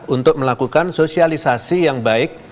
untuk melakukan sosialisasi yang baik